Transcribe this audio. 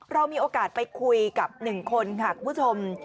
เรามีโอกาสไปคุยกับ๑คนค่ะคุณผู้ชม